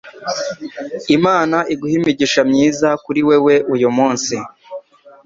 Imana iguhe imigisha myiza kuri wewe uyumunsi